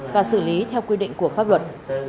và xử lý theo quy định của pháp luật